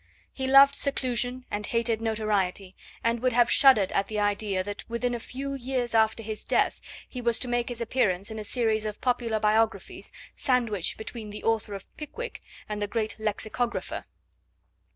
He loved seclusion, and hated notoriety, and would have shuddered at the idea that within a few years after his death he was to make his appearance in a series of popular biographies, sandwiched between the author of Pickwick and the Great Lexicographer.